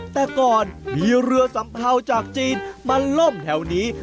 แต่ก่อนมีเรือสัมเภาจากจีนมาล่มแถวนี้